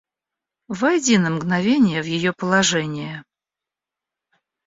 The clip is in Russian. Войди на мгновение в ее положение.